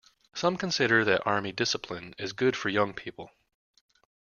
Some consider that army discipline is good for young people.